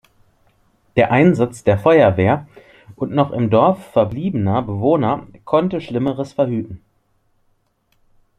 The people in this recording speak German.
Der Einsatz der Feuerwehr und noch im Dorf verbliebener Bewohner konnte Schlimmeres verhüten.